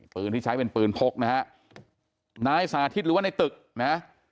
ปืนที่ใช้เป็นปืนพกนะฮะนายสาธิตหรือว่าในตึกนะ